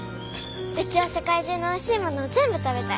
うちは世界中のおいしいものを全部食べたい。